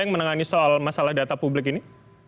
yang menangani soal masalah data publik ini